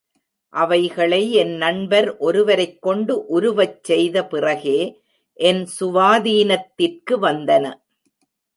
அவைகளை என், நண்பர் ஒருவரைக் கொண்டு உருவச் செய்த பிறகே என் சுவா தீனத்திற்கு வந்தன!